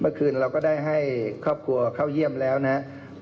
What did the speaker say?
คืนเราก็ได้ให้ครอบครัวเข้าเยี่ยมแล้วนะครับ